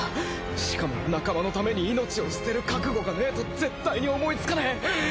しかも仲間のために命を捨てる覚悟がねえと絶対に思いつかねえ。